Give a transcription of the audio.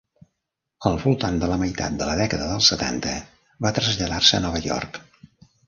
Al voltant de la meitat de la dècada dels setanta, va traslladar-se a Nova York.